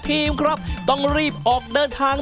ครับต้องรีบออกเดินทาง